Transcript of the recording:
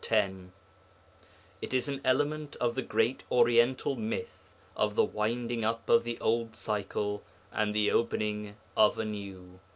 10); it is an element of the great Oriental myth of the winding up of the old cycle and the opening of a new.